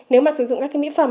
nếu mà sử dụng các cái mỹ phẩm